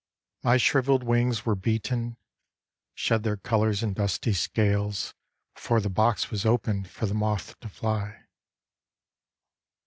My shrivelled wings were beaten, Shed their colours in dusty scales Before the box was opened For the moth to fly.